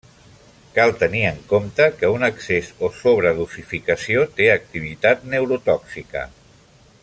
Cal tenir en compte que un excés o sobredosificació té activitat neurotòxica.